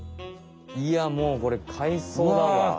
いやもうこれ海藻だわ。